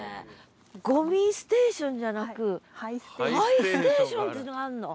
ごみステーションじゃなく灰ステーションっていうのがあんの？